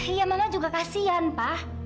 iya mama juga kasihan pak